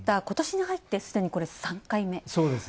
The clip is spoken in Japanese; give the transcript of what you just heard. ことしに入ってすでに３回目。